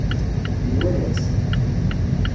Nwala-tt.